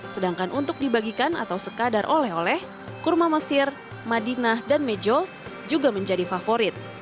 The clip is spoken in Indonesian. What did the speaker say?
sedangkan untuk dibagikan atau sekadar oleh oleh kurma mesir madinah dan mejol juga menjadi favorit